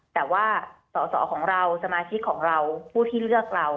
แต่ว่าสอสอของเราสมาชิกของเราผู้ที่เลือกเรา